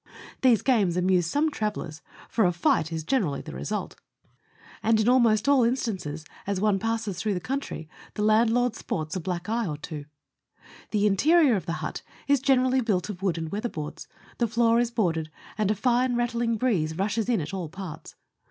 These games amuse some travellers, for a fight is generally the result ; and 126 Letters from Victorian Pioneers. in almost all instances, as one passes through the country, the land lord sports a black eye or two. The interior of the hut is gene rally built of wood and weatherboards; the floor is boarded, and a fine rattling breeze rushes in at all parts.